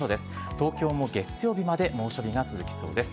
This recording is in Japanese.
東京も月曜日まで猛暑日が続きそうです。